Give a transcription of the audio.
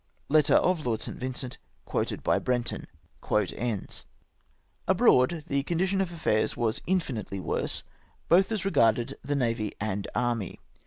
''^— {Letter of Lord St. Vincent, quoted hij Brenton.) Abroad the condition of affairs was infinitely worse, both as regarded the navy and army.